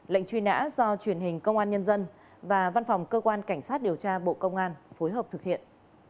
lệnh truy nã do truyền hình công an nhân dân và văn phòng cơ quan cảnh sát điều tra bộ công an phối hợp thực hiện